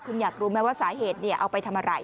คุณอยากรู้ไหมว่าสาเหตุเอาไปทำอะไร